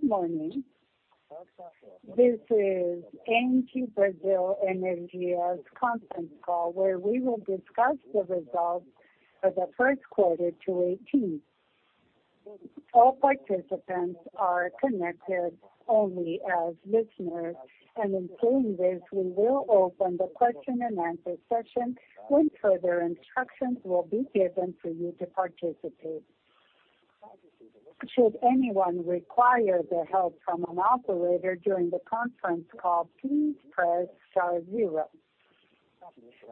Good morning. This is ENGIE Brasil Energia's Conference Call, where we will discuss the results for the first quarter 2018. All participants are connected only as listeners, and in doing this, we will open the question and answer session when further instructions will be given for you to participate. Should anyone require the help from an operator during the conference call, please press star zero.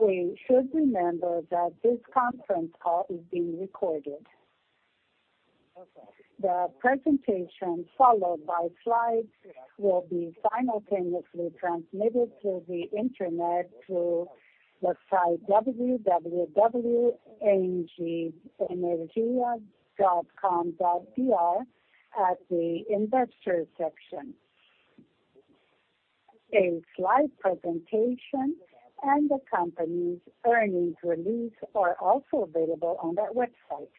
We should remember that this conference call is being recorded. The presentation, followed by slides, will be simultaneously transmitted through the internet to the site www.engieenergia.com.br at the investor section. A slide presentation and the company's earnings release are also available on that website.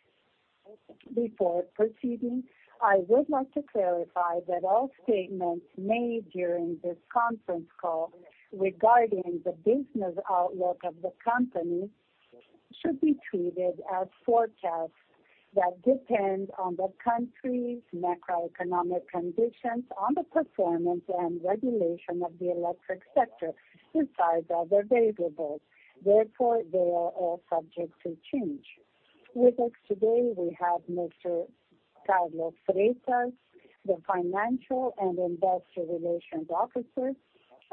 Before proceeding, I would like to clarify that all statements made during this conference call regarding the business outlook of the company should be treated as forecasts that depend on the country's macroeconomic conditions, on the performance and regulation of the electric sector, besides other variables. Therefore, they are all subject to change. With us today, we have Mr. Carlos Freitas, the Financial and Investor Relations Officer,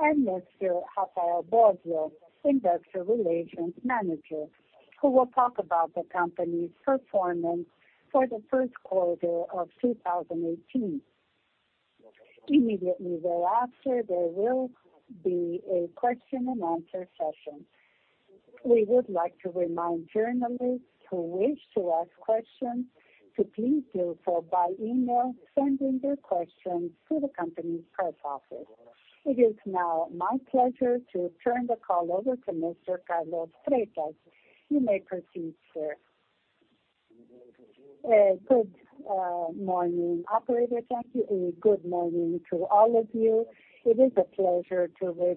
and Mr. Rafael Bosio, Investor Relations Manager, who will talk about the company's performance for the first quarter of 2018. Immediately thereafter, there will be a question and answer session. We would like to remind journalists who wish to ask questions to please do so by email, sending their questions to the company's press office. It is now my pleasure to turn the call over to Mr. Carlos Freitas. You may proceed, sir. Good morning, operator. Thank you. Good morning to all of you. It is a pleasure to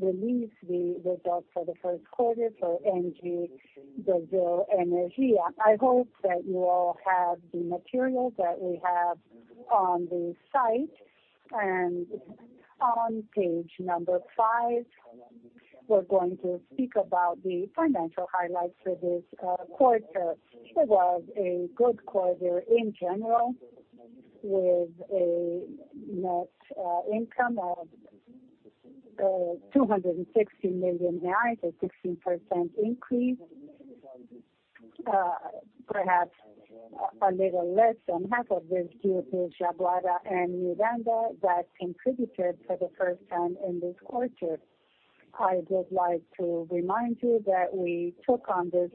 release the results for the first quarter for ENGIE Brasil Energia. I hope that you all have the material that we have on the site and on page number five. We're going to speak about the financial highlights for this quarter. It was a good quarter in general, with a net income of BRL 260 million, a 16% increase, perhaps a little less than half of this due to Jaguara and Miranda that contributed for the first time in this quarter. I would like to remind you that we took on this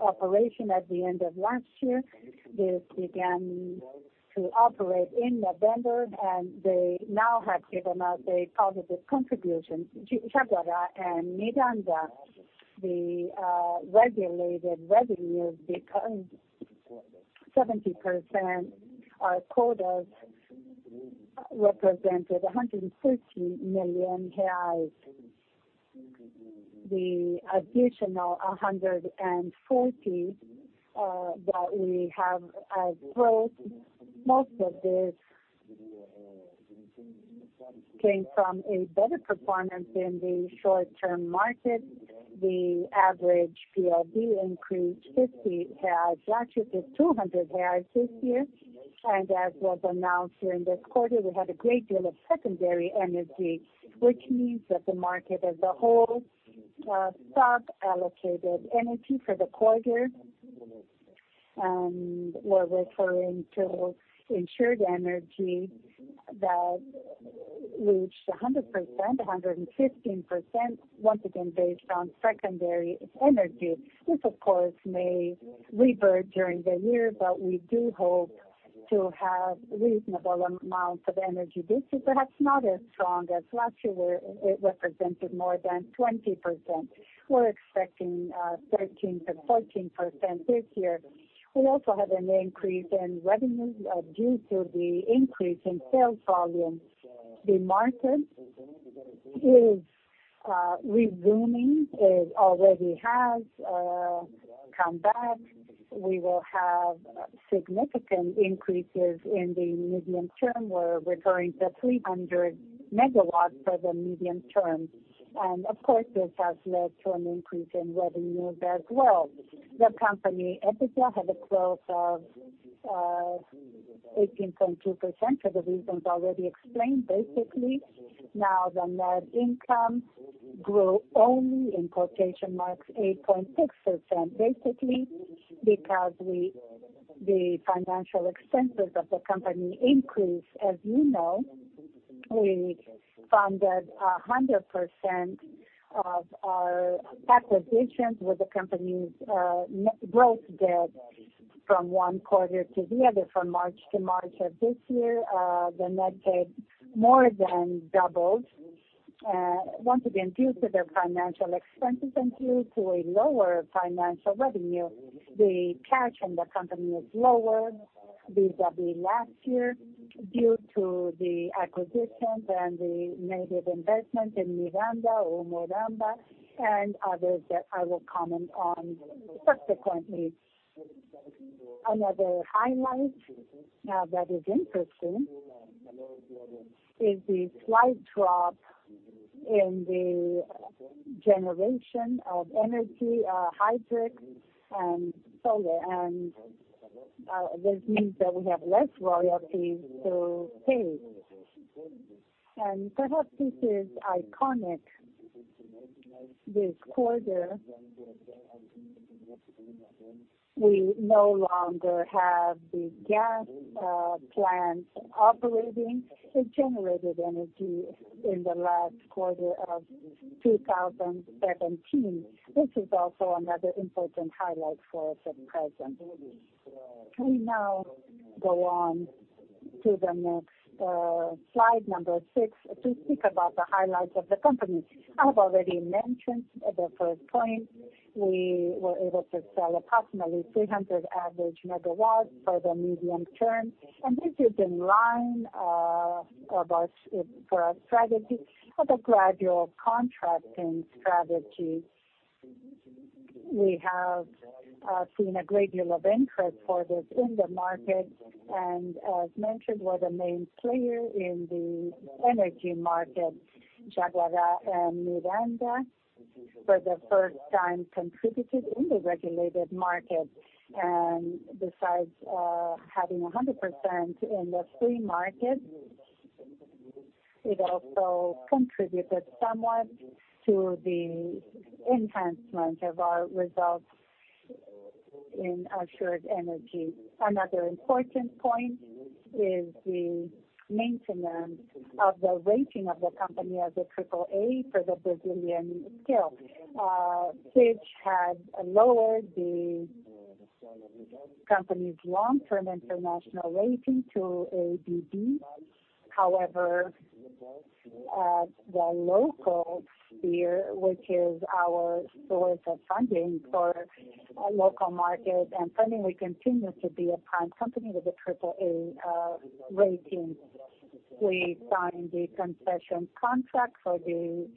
operation at the end of last year. This began to operate in November, and they now have given us a positive contribution. Jaguara and Miranda, the regulated revenues, because 70% are quotas, represented 113 million reais. The additional 140 million that we have as growth, most of this came from a better performance in the short-term market. The average PLV increased 50 reais, ratcheted to 200 reais this year. As was announced during this quarter, we had a great deal of secondary energy, which means that the market as a whole sub-allocated energy for the quarter. We are referring to insured energy that reached 100%-115%, once again based on secondary energy. This, of course, may revert during the year, but we do hope to have reasonable amounts of energy this year, perhaps not as strong as last year, where it represented more than 20%. We are expecting 13%-14% this year. We also have an increase in revenue due to the increase in sales volume. The market is resuming, already has come back. We will have significant increases in the medium term. We're referring to 300 megawatts for the medium term. Of course, this has led to an increase in revenues as well. The company EBITDA had a growth of 18.2% for the reasons already explained. Basically, now the net income grew only, in quotation marks, 8.6% basically, because the financial expenses of the company increased. As you know, we funded 100% of our acquisitions with the company's net growth debt from one quarter to the other. From March to March of this year, the net debt more than doubled, once again due to the financial expenses and due to a lower financial revenue. The cash in the company is lower vis-à-vis last year due to the acquisitions and the native investment in Miranda or Umburanas, and others that I will comment on subsequently. Another highlight that is interesting is the slight drop in the generation of energy, hydric, and solar. This means that we have less royalties to pay. Perhaps this is iconic. This quarter, we no longer have the gas plants operating with generated energy in the last quarter of 2017. This is also another important highlight for us at present. We now go on to the next slide, number six, to speak about the highlights of the company. I have already mentioned the first point, we were able to sell approximately 300 average megawatts for the medium term and this is in line with our strategy of a gradual contracting strategy. We have seen a great deal of interest for this in the market. As mentioned, we are the main player in the energy market. Jaguara and Miranda, for the first time, contributed in the regulated market. Besides having 100% in the free market, it also contributed somewhat to the enhancement of our results in assured energy. Another important point is the maintenance of the rating of the company as AAA for the Brazilian scale, which has lowered the company's long-term international rating to a BB. However, in the local sphere, which is our source of funding for local market and funding, we continue to be a prime company with a AAA rating. We signed the concession contract for the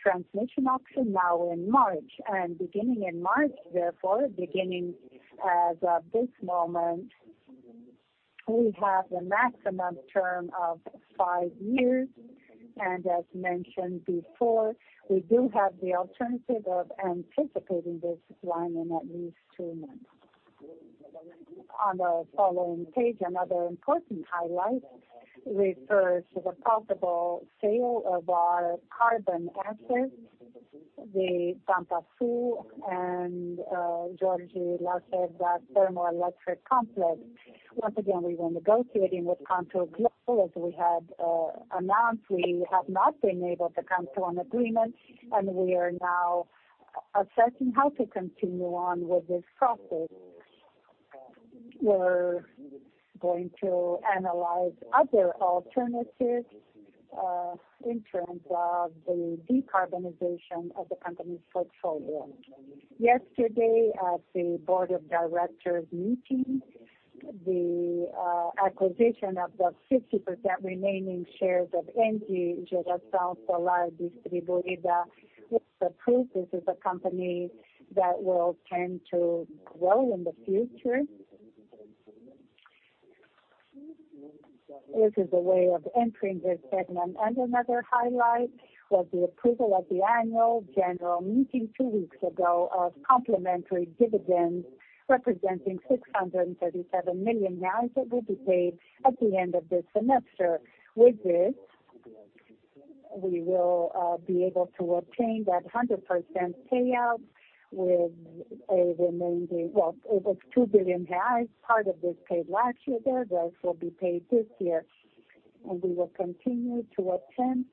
transmission option now in March. Beginning in March, therefore, beginning as of this moment, we have a maximum term of five years. As mentioned before, we do have the alternative of anticipating this line in at least two months. On the following page, another important highlight refers to the possible sale of our carbon assets, the Santa Fé and Jorge Lacerda thermoelectric complex. Once again, we were negotiating with ContourGlobal, as we had announced. We have not been able to come to an agreement, and we are now assessing how to continue on with this process. We are going to analyze other alternatives in terms of the decarbonization of the company's portfolio. Yesterday, at the board of directors meeting, the acquisition of the 50% remaining shares of ENGIE Geração Solar Distribuída was approved. This is a company that will tend to grow in the future. This is a way of entering this segment. Another highlight was the approval at the Annual General Meeting two weeks ago of complementary dividends representing 637 million that will be paid at the end of this semester. With this, we will be able to obtain that 100% payout with a remaining, well, it was 2 billion reais, part of this paid last year. The rest will be paid this year. We will continue to attempt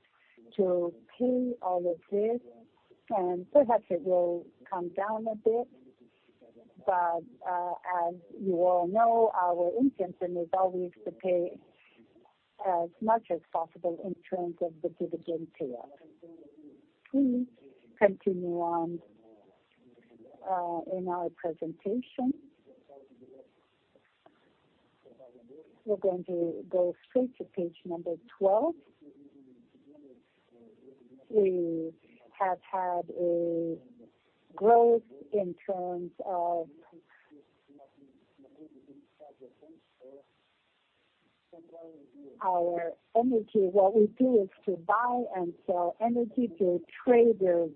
to pay all of this. Perhaps it will come down a bit, but as you all know, our intention is always to pay as much as possible in terms of the dividend payout. Please continue on in our presentation. We are going to go straight to page number 12. We have had a growth in terms of our energy. What we do is to buy and sell energy to traders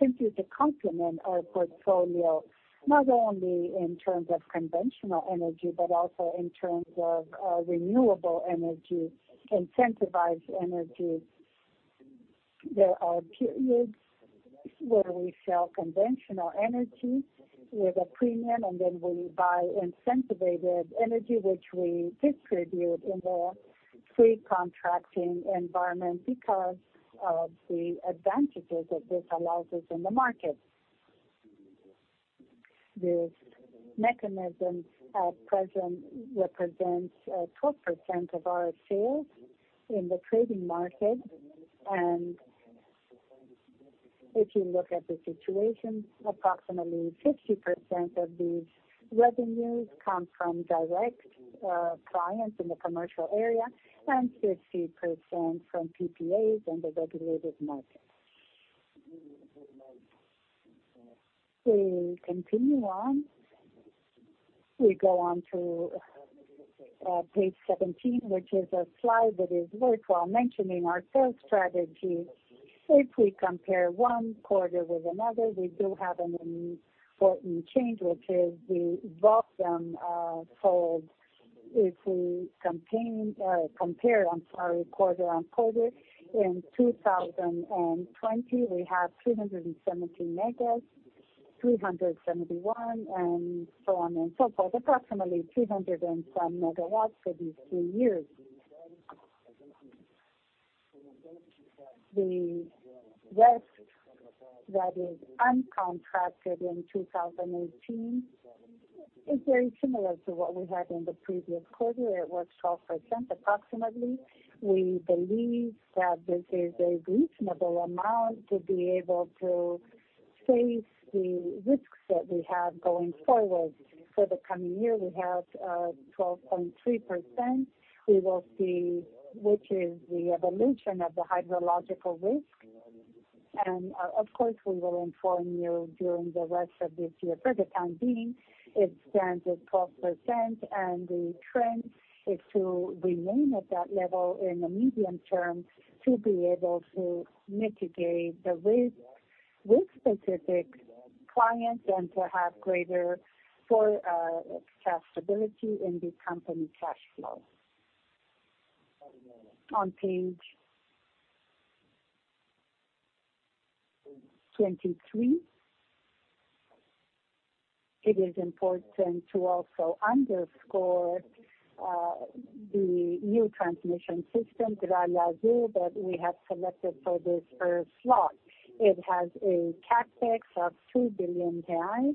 simply to complement our portfolio, not only in terms of conventional energy but also in terms of renewable energy, incentivized energy. There are periods where we sell conventional energy with a premium, and then we buy incentivized energy, which we distribute in the free contracting environment because of the advantages that this allows us in the market. This mechanism at present represents 12% of our sales in the trading market. And if you look at the situation, approximately 50% of these revenues come from direct clients in the commercial area and 50% from PPAs in the regulated market. We continue on. We go on to page 17, which is a slide that is worthwhile mentioning our sales strategy. If we compare one quarter with another, we do have an important change, which is the volume sold. If we compare, I'm sorry, quarter on quarter, in 2020, we have 370 megas, 371, and so on and so forth, approximately 300-and-some megawatts for these three years. The rest that is uncontracted in 2018 is very similar to what we had in the previous quarter. It was 12% approximately. We believe that this is a reasonable amount to be able to face the risks that we have going forward. For the coming year, we have 12.3%. We will see which is the evolution of the hydrological risk. And of course, we will inform you during the rest of this year. For the time being, it stands at 12%, and the trend is to remain at that level in the medium term to be able to mitigate the risk with specific clients and to have greater cash stability in the company cash flow. On page 23, it is important to also underscore the new transmission system, Gralha Azul, that we have selected for this first slot. It has a CapEx of 2 billion reais,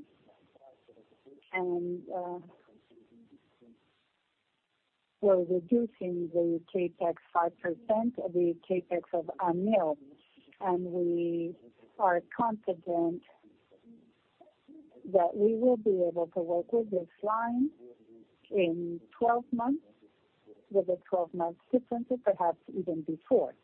and we're reducing the CapEx 5%, the CapEx of a Aneel. We are confident that we will be able to work with this line in 12-months, with a 12-month difference, or perhaps even before.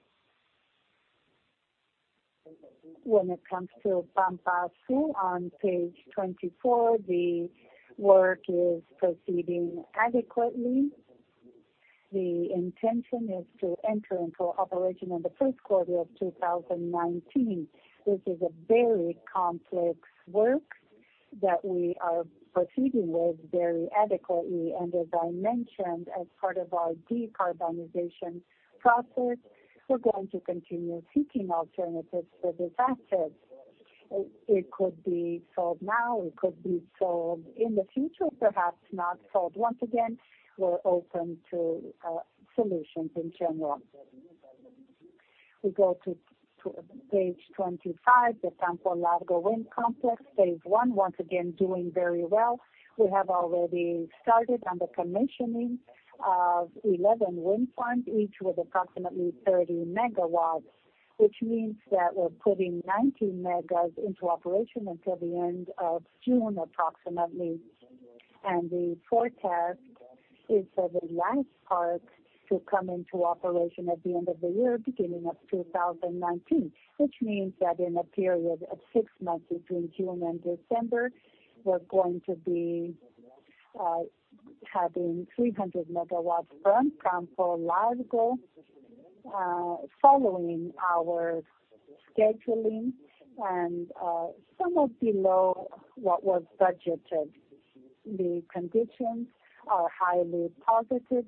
When it comes to Pampa Sul, on page 24, the work is proceeding adequately. The intention is to enter into operation in the first quarter of 2019. This is a very complex work that we are proceeding with very adequately. As I mentioned, as part of our decarbonization process, we are going to continue seeking alternatives for this asset. It could be sold now. It could be sold in the future, perhaps not sold once again. We are open to solutions in general. We go to page 25, the Campo Largo Wind Complex, phase I, once again doing very well. We have already started on the commissioning of 11 wind farms, each with approximately 30 megawatts, which means that we're putting 90 megas into operation until the end of June, approximately. The forecast is for the last part to come into operation at the end of the year, beginning of 2019, which means that in a period of six months between June and December, we're going to be having 300 megawatts from Pampa Sul following our scheduling and somewhat below what was budgeted. The conditions are highly positive,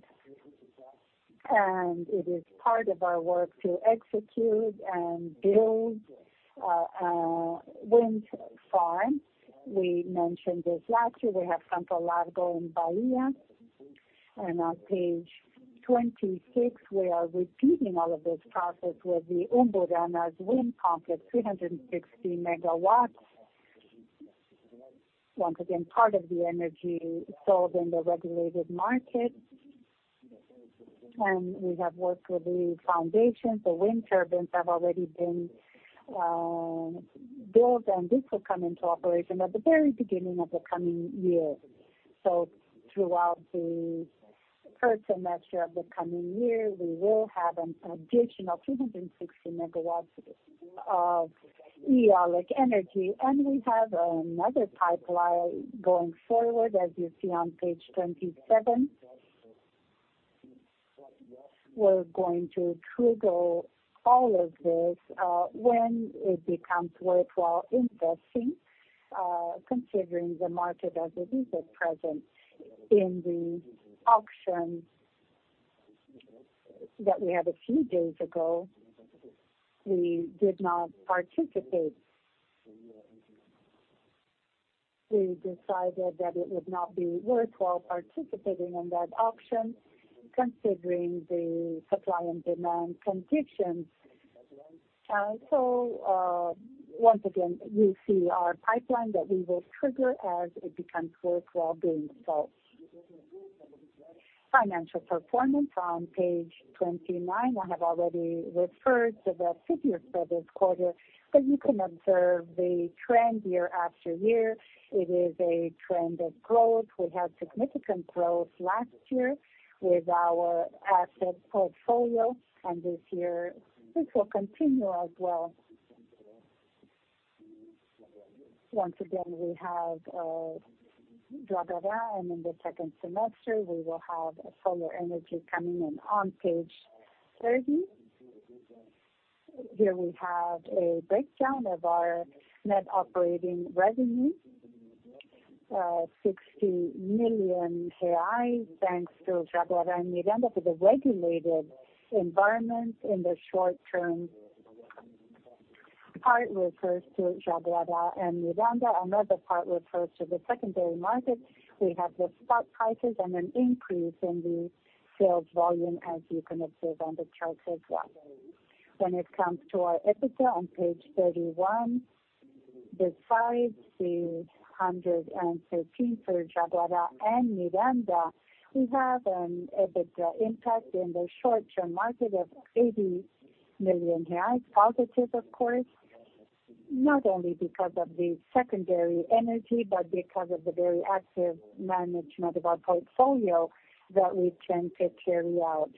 and it is part of our work to execute and build wind farms. We mentioned this last year, we have Campo Largo in Bahia. On page 26, we are repeating all of this process with the Umburanas wind complex, 360 megawatts, once again part of the energy sold in the regulated market. We have worked with the foundation. The wind turbines have already been built, and this will come into operation at the very beginning of the coming year. So throughout the first semester of the coming year, we will have an additional 360 megawatts of eolic energy. And we have another pipeline going forward, as you see on page 27. We are going to trigger all of this when it becomes worthwhile investing, considering the market as it is at present. In the auction that we had a few days ago, we did not participate. We decided that it would not be worthwhile participating in that auction, considering the supply and demand conditions. So once again, you see our pipeline that we will trigger as it becomes worthwhile being sold. Financial performance on page 29. I have already referred to the figures for this quarter, but you can observe the trend year after year. It is a trend of growth. We had significant growth last year with our asset portfolio, and this year this will continue as well. Once again, we have Jaguara, and in the second semester, we will have solar energy coming in. On page 30, here we have a breakdown of our net operating revenue, BRL 60 million, thanks to Jaguara and Miranda for the regulated environment in the short term. Part refers to Jaguara and Miranda. Another part refers to the secondary market. We have the spot prices and an increase in the sales volume, as you can observe on the charts as well. When it comes to our EBITDA on page 31, besides the 113 million for Jaguara and Miranda, we have an EBITDA impact in the short-term market of 80 million reais, positive, of course, not only because of the secondary energy but because of the very active management of our portfolio that we tend to carry out.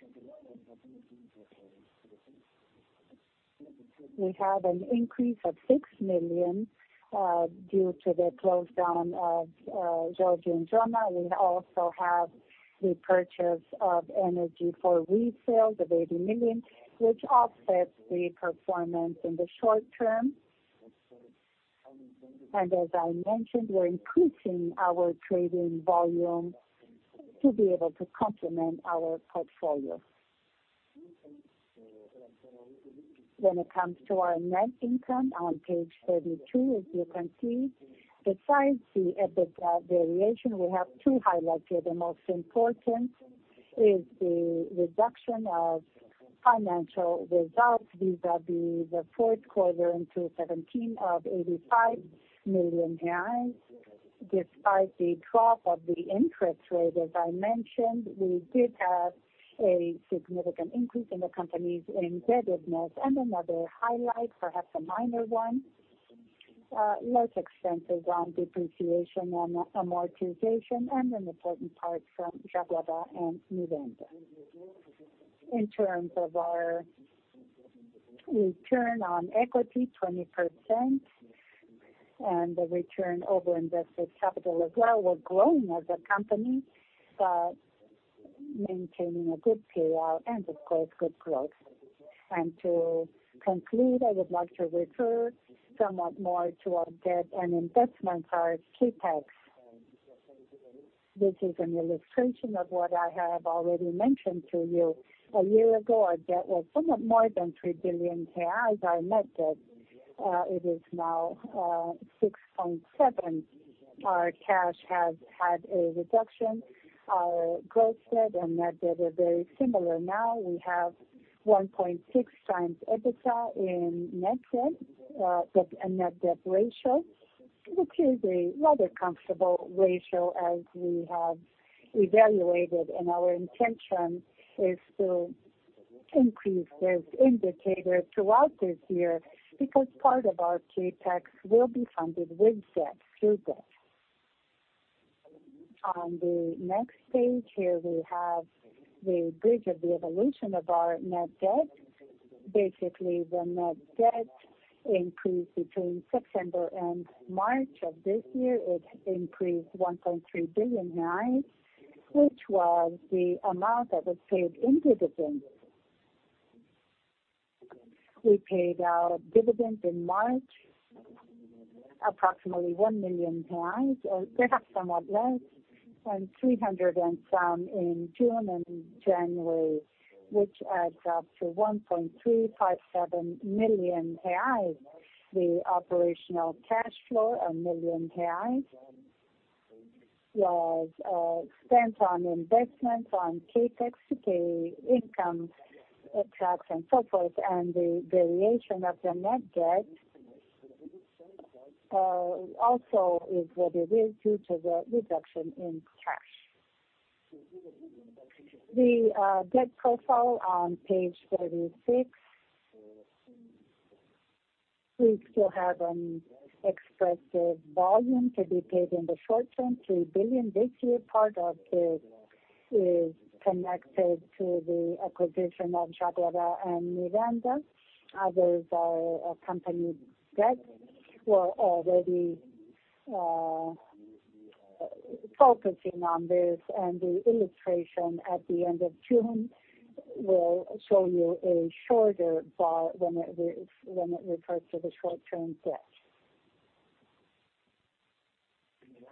We have an increase of 6 million due to the close down of Jorge Lacerda. We also have the purchase of energy for resales of 80 million, which offsets the performance in the short term. As I mentioned, we're increasing our trading volume to be able to complement our portfolio. When it comes to our net income on page 32, as you can see, besides the EBITDA variation, we have two highlights here. The most important is the reduction of financial results vis-à-vis the fourth quarter in 2017 of 85 million reais. Despite the drop of the interest rate, as I mentioned, we did have a significant increase in the company's indebtedness. Another highlight, perhaps a minor one, less expenses on depreciation and amortization, and an important part from Jaguara and Miranda. In terms of our return on equity, 20%, and the return over invested capital as well, we are growing as a company but maintaining a good payout and, of course, good growth. To conclude, I would like to refer somewhat more to our debt and investments, our CapEx. This is an illustration of what I have already mentioned to you. A year ago, our debt was somewhat more than 3 billion. Our net debt, it is now 6.7 billion. Our cash has had a reduction. Our gross debt and net debt are very similar now. We have 1.6x EBITDA in net debt, net debt ratio, which is a rather comfortable ratio as we have evaluated. Our intention is to increase this indicator throughout this year because part of our CapEx will be funded with debt through this. On the next page here, we have the bridge of the evolution of our net debt. Basically, the net debt increased between September and March of this year. It increased BRL 1.3 billion, which was the amount that was paid in dividends. We paid out dividends in March, approximately 1 million reais, perhaps somewhat less, and BRL 300-and-some in June and January, which adds up to 1.357 million reais. The operational cash flow, 1 million reais, was spent on investments, on CapEx, to pay income tax and so forth. The variation of the net debt also is what it is due to the reduction in cash. The debt profile on page 36, we still have an expressive volume to be paid in the short term, 3 billion this year, part of this is connected to the acquisition of Jaguara and Miranda. Others are company debt. We are already focusing on this, and the illustration at the end of June will show you a shorter bar when it refers to the short-term debt.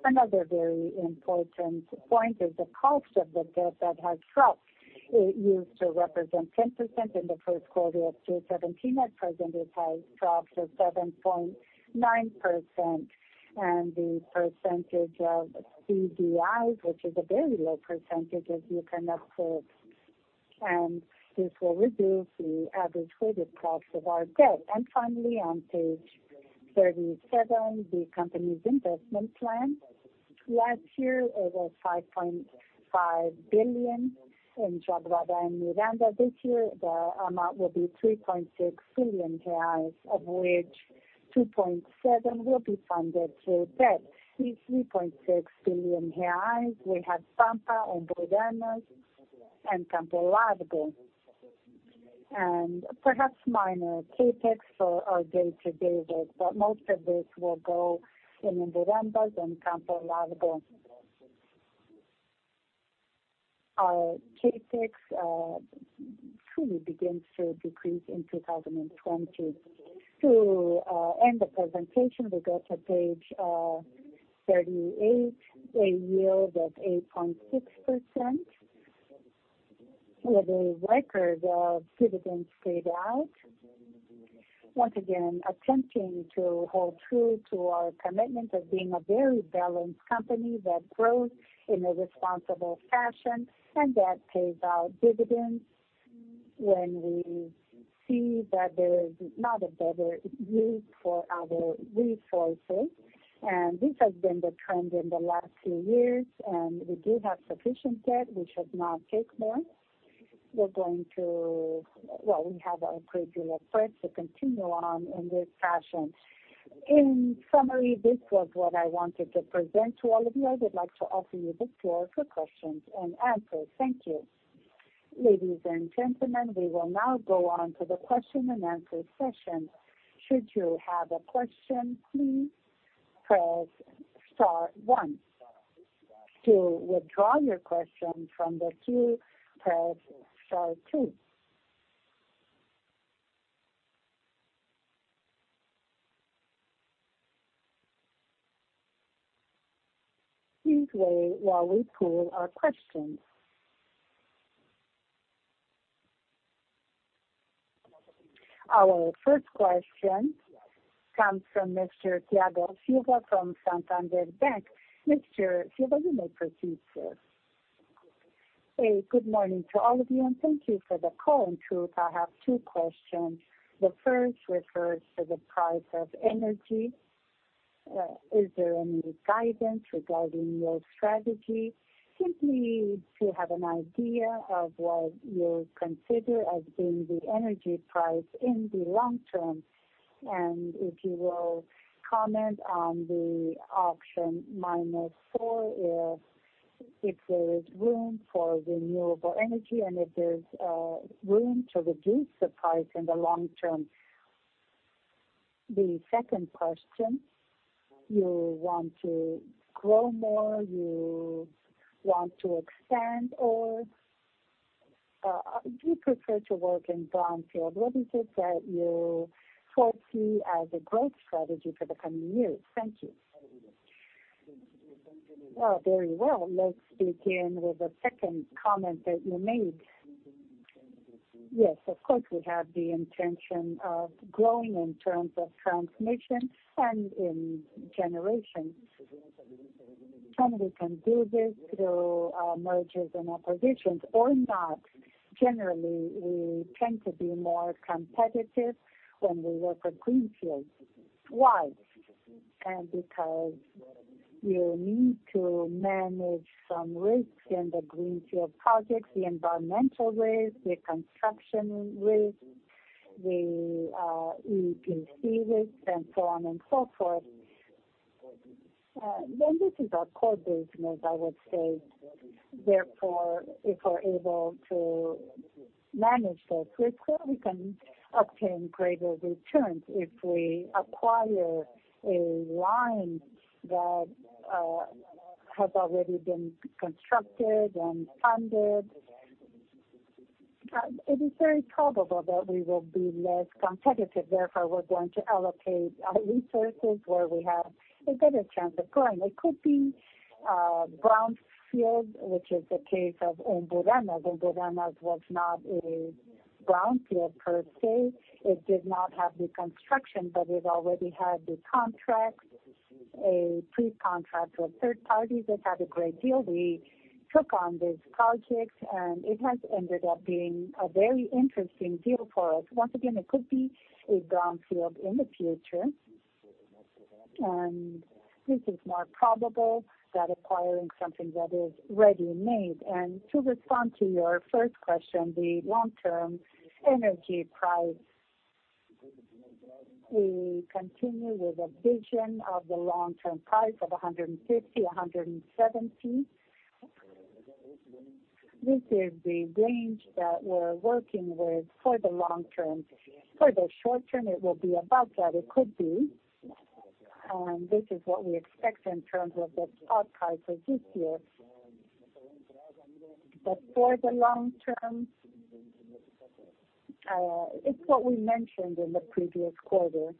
Another very important point is the cost of the debt that has dropped. It used to represent 10% in the first quarter of 2017. At present, it has dropped to 7.9%. The percentage of CDI, which is a very low percentage, as you can observe. This will reduce the average weighted cost of our debt. Finally, on page 37, the company's investment plan. Last year, it was 5.5 billion in Jaguara and Miranda. This year, the amount will be 3.6 billion reais, of which 2.7 billion will be funded through debt. The 3.6 billion reais, we have Pampa, Umuranas, and Campo Largo. Perhaps minor CapEx for our day-to-day work, but most of this will go in Umuranas and Campo Largo. Our CapEx truly begins to decrease in 2020. To end the presentation, we go to page 38, a yield of 8.6% with a record of dividends paid out. Once again, attempting to hold true to our commitment of being a very balanced company that grows in a responsible fashion and that pays out dividends when we see that there is not a better use for our resources. This has been the trend in the last few years, and we do have sufficient debt. We should not take more. We're going to, well, we have a great deal of credit to continue on in this fashion. In summary, this was what I wanted to present to all of you. I would like to offer you the floor for questions and answers. Thank you. Ladies and gentlemen, we will now go on to the question and answer session. Should you have a question, please press star one. To withdraw your question from the queue, press star two. Please wait while we pull our questions. Our first question comes from Mr. Thiago Silva from Santander Bank. Mr. Silva, you may proceed, sir. A good morning to all of you, and thank you for the call. In truth, I have two questions. The first refers to the price of energy. Is there any guidance regarding your strategy? Simply to have an idea of what you consider as being the energy price in the long term. And if you will comment on the option -4, if there is room for renewable energy and if there is room to reduce the price in the long term. The second question, you want to grow more, you want to expand, or do you prefer to work in brownfield? What is it that you foresee as a growth strategy for the coming years? Thank you. Very well. Let's begin with the second comment that you made. Yes, of course, we have the intention of growing in terms of transmission and in generation. We can do this through mergers and acquisitions or not. Generally, we tend to be more competitive when we work with greenfields. Why? Because you need to manage some risks in the greenfield projects, the environmental risk, the construction risk, the EPC risk, and so on and so forth. This is our core business, I would say. Therefore, if we're able to manage those risks, we can obtain greater returns. If we acquire a line that has already been constructed and funded, it is very probable that we will be less competitive. Therefore, we're going to allocate our resources where we have a better chance of growing. It could be brownfield, which is the case of Umuranas, Umuranas was not a brownfield per se. It did not have the construction, but it already had the contract, a pre-contract with third parties that had a great deal. We took on this project, and it has ended up being a very interesting deal for us. Once again, it could be a brownfield in the future. This is more probable than acquiring something that is ready-made. To respond to your first question, the long-term energy price, we continue with a vision of the long-term price of 150 - 170. This is the range that we're working with for the long term. For the short term, it will be about that. It could be. This is what we expect in terms of the spot price for this year. For the long term, it's what we mentioned in the previous quarter.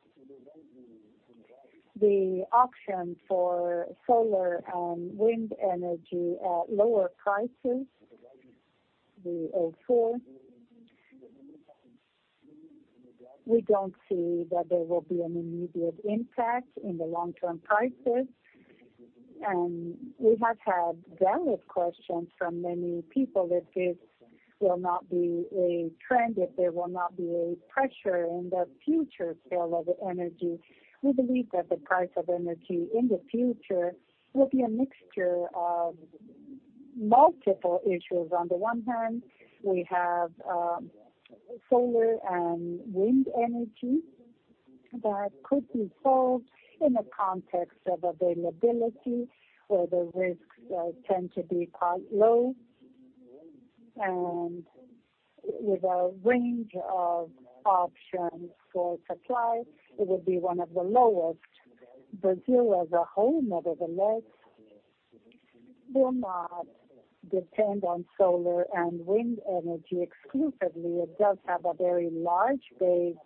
The option for solar and wind energy at lower prices, the 04, we don't see that there will be an immediate impact in the long-term prices. We have had valid questions from many people that this will not be a trend, that there will not be a pressure in the future sale of energy. We believe that the price of energy in the future will be a mixture of multiple issues. On the one hand, we have solar and wind energy that could be sold in a context of availability where the risks tend to be quite low. With a range of options for supply, it would be one of the lowest. Brazil, as a whole, nevertheless, will not depend on solar and wind energy exclusively. It does have a very large base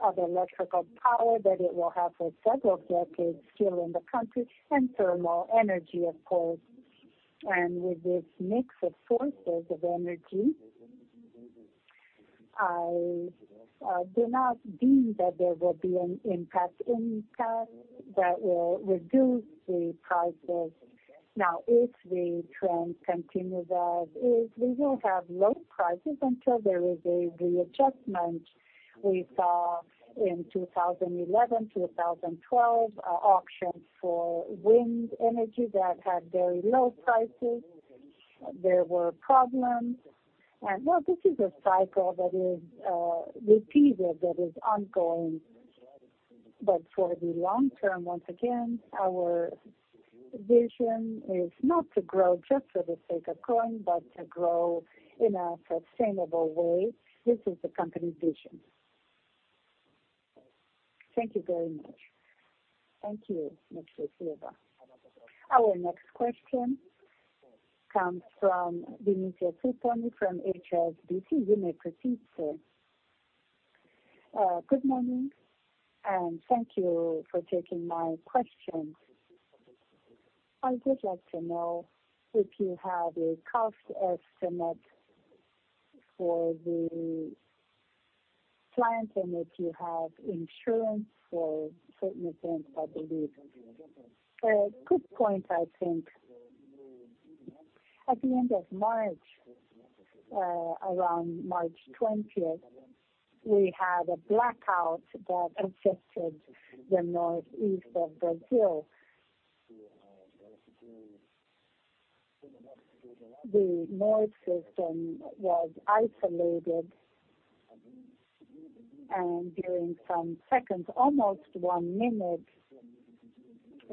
of electrical power that it will have for several decades still in the country and thermal energy, of course. With this mix of sources of energy, I do not deem that there will be an impact that will reduce the prices. Now, if the trend continues as is, we will have low prices until there is a readjustment we saw in 2011, 2012, an auction for wind energy that had very low prices. There were problems. This is a cycle that is repeated, that is ongoing but for the long term, once again, our vision is not to grow just for the sake of growing, but to grow in a sustainable way. This is the company's vision. Thank you very much. Thank you, Mr. Silva. Our next question comes from Vinicius Suponi from HSBC. You may proceed, sir. Good morning, and thank you for taking my question. I would like to know if you have a cost estimate for the plant and if you have insurance for certain events, I believe. Good point, I think. At the end of March, around March 20th, we had a blackout that affected the Northeast of Brazil. The north system was isolated, and during some seconds, almost one minute,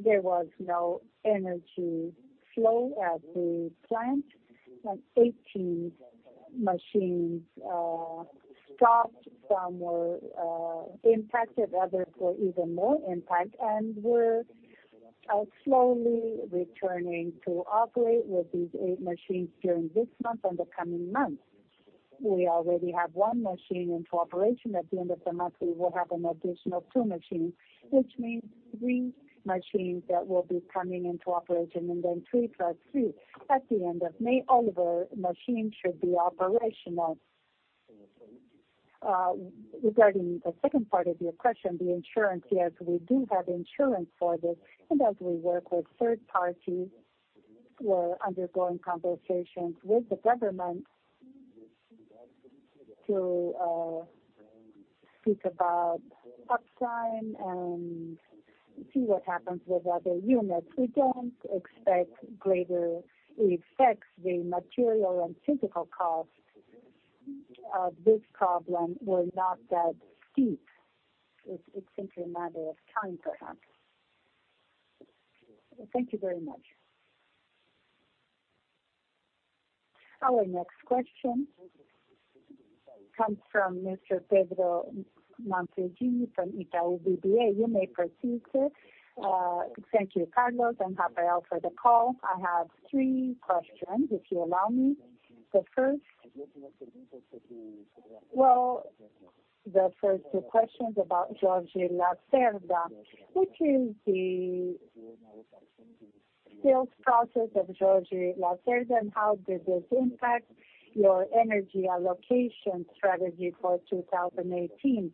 there was no energy flow at the plant. 18 machines stopped. Some were impacted. Others were even more impacted and were slowly returning to operate with these eight machines during this month and the coming months. We already have one machine into operation. At the end of the month, we will have an additional two machines, which means three machines that will be coming into operation and then 3 + 3 at the end of May, all of our machines should be operational. Regarding the second part of your question, the insurance, yes, we do have insurance for this. As we work with third parties, we are undergoing conversations with the government to speak about uptime and see what happens with other units. We do not expect greater effects. The material and physical costs of this problem were not that steep. It is simply a matter of time, perhaps. Thank you very much. Our next question comes from Mr. Pedro Montagini from Itaú BBA. You may proceed, sir. Thank you, Carlos and Rafael, for the call. I have three questions, if you allow me. The first, the first questions about Jorge Lacerda, which is the sales process of Jorge Lacerda, and how did this impact your energy allocation strategy for 2018?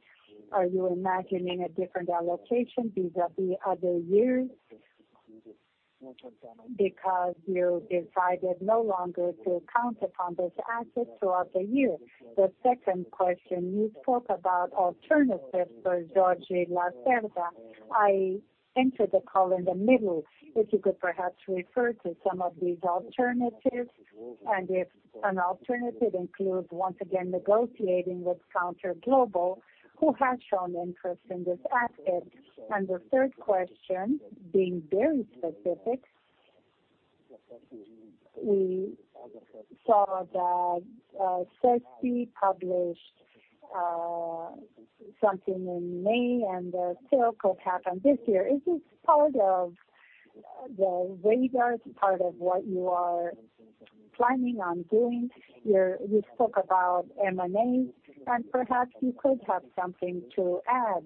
Are you imagining a different allocation vis-à-vis other years because you decided no longer to count upon those assets throughout the year? The second question, you spoke about alternatives for Jorge Lacerda. I entered the call in the middle. If you could perhaps refer to some of these alternatives and if an alternative includes, once again, negotiating with ContourGlobal, who has shown interest in this asset. The third question, being very specific, we saw that SESC published something in May, and the sale could happen this year. Is this part of the radar, part of what you are planning on doing? You spoke about M&A, and perhaps you could have something to add.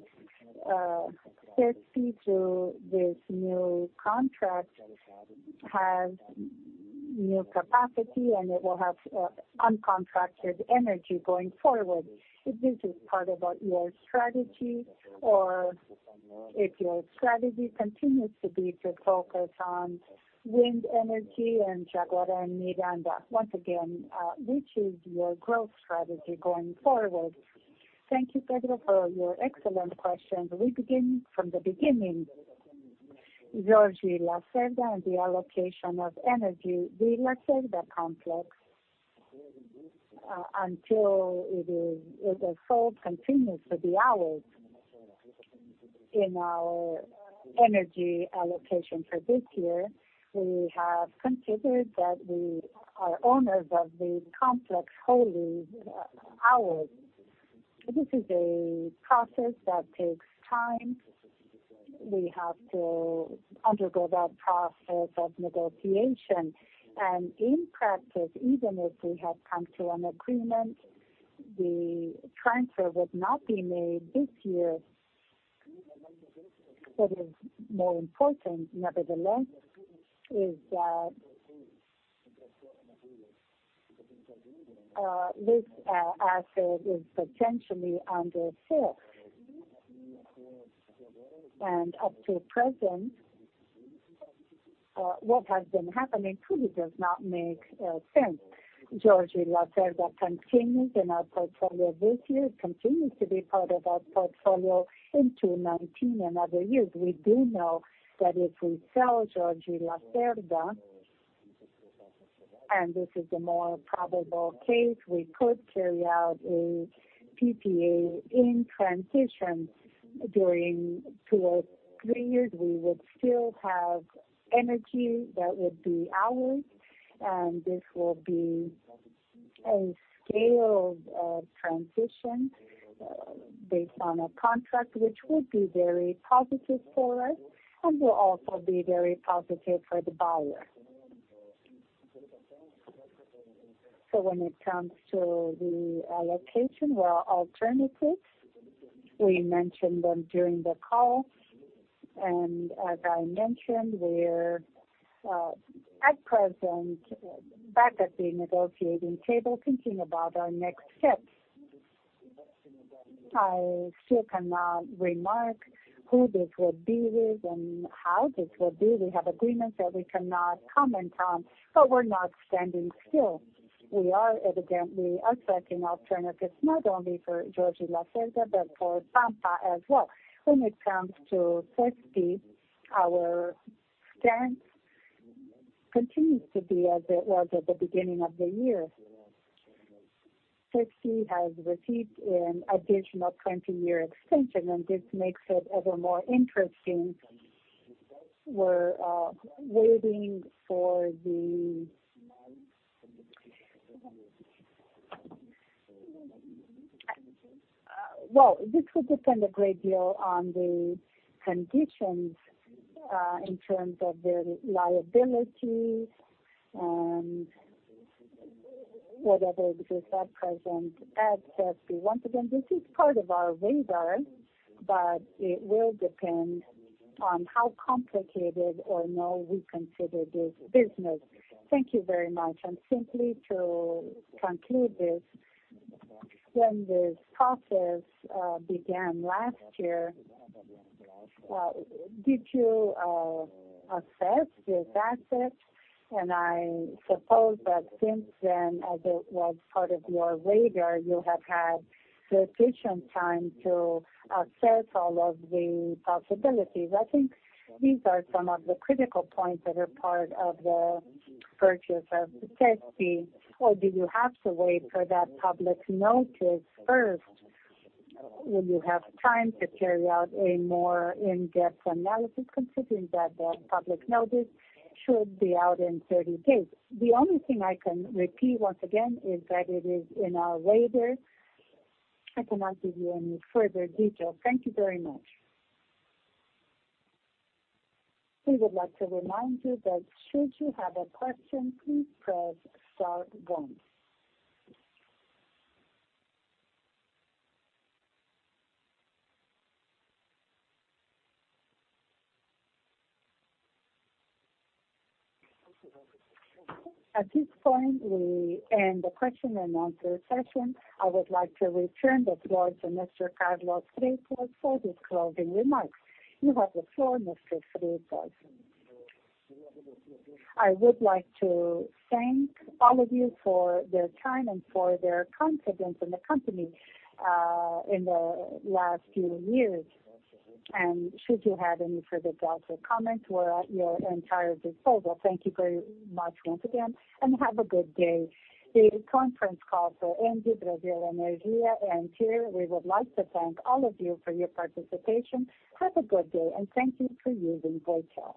SESC, through this new contract, has new capacity, and it will have uncontracted energy going forward. Is this part of your strategy, or if your strategy continues to be to focus on wind energy and Jaguara and Miranda, once again, which is your growth strategy going forward? Thank you, Pedro, for your excellent questions. We begin from the beginning. Jorge Lacerda and the allocation of energy, the Lacerda complex, until it is sold, continues to be ours. In our energy allocation for this year, we have considered that we are owners of the complex wholly ours. This is a process that takes time. We have to undergo that process of negotiation. In practice, even if we have come to an agreement, the transfer would not be made this year. What is more important, nevertheless, is that this asset is potentially under sale. Up to present, what has been happening truly does not make sense. Jorge Lacerda continues in our portfolio this year. It continues to be part of our portfolio into 2019 and other years. We do know that if we sell Jorge Lacerda, and this is a more probable case, we could carry out a PPA in transition. During two or three years, we would still have energy that would be ours, and this will be a scale of transition based on a contract, which would be very positive for us and will also be very positive for the buyer. When it comes to the allocation, well, alternatives, we mentioned them during the call. As I mentioned, we're at present back at the negotiating table, thinking about our next steps. I still cannot remark who this would be with and how this would be. We have agreements that we cannot comment on, but we're not standing still. We are evidently asserting alternatives not only for Jorge Lacerda but for Pampa as well. When it comes to SESC, our stance continues to be as it was at the beginning of the year. SESE has received an additional 20-year extension, and this makes it ever more interesting. We're waiting for the—this would depend a great deal on the conditions in terms of their liability and whatever exists at present at SESC. Once again, this is part of our radar, but it will depend on how complicated or not we consider this business. Thank you very much. Simply to conclude this, when this process began last year, did you assess this asset? I suppose that since then, as it was part of your radar, you have had sufficient time to assess all of the possibilities. I think these are some of the critical points that are part of the purchase of SESC. Do you have to wait for that public notice first? Will you have time to carry out a more in-depth analysis, considering that the public notice should be out in 30 days. The only thing I can repeat once again is that it is in our radar. I cannot give you any further details. Thank you very much. We would like to remind you that should you have a question, please press star one. At this point, we end the question and answer session. I would like to return the floor to Mr. Carlos Freitas for his closing remarks. You have the floor, Mr. Freitas. I would like to thank all of you for their time and for their confidence in the company in the last few years. Should you have any further doubts or comments, we're at your entire disposal. Thank you very much once again, and have a good day. The conference call for ENGIE Brasil Energia and TIER, we would like to thank all of you for your participation. Have a good day, and thank you for using Voitel.